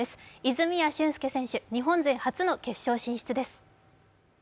泉谷駿介選手、日本勢初の決勝進出です。